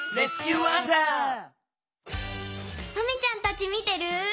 マミちゃんたちみてる？